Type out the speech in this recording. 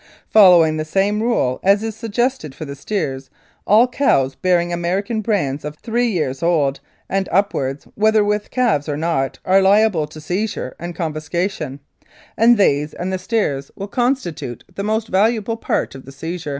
" Following the same rule as is suggested for the steers, all cows bearing American brands of three years old and upwards, whether with calves or not, are liable to seizure and confiscation, and these and the steers will constitute the most valuable part of the seizure.